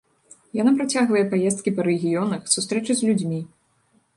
Яна працягвае паездкі па рэгіёнах, сустрэчы з людзьмі.